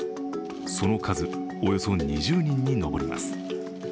その数、およそ２０人に上ります。